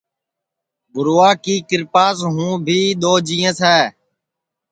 گَروا کی کِرپاس ہوں بھی دؔوجینٚیس ہے